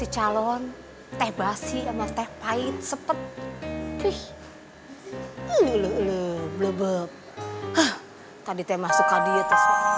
calon tebas si emang tepain sepet ih ulu blubub tadi tema suka diet